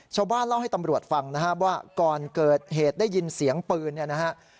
ชาวบ้านเล่าให้ตำรวจฟังนะครับว่าก่อนเกิดเหตุได้ยินเสียงปืนเนี่ยนะฮะ